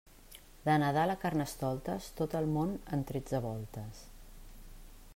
De Nadal a Carnestoltes, tot el món en tretze voltes.